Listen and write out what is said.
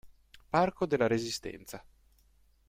Parco della Resistenza